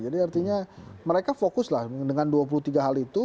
jadi artinya mereka fokus lah dengan dua puluh tiga hal itu